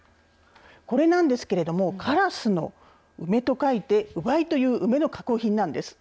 これなんですけれども、烏の梅と書いて、烏梅という梅の加工品なんです。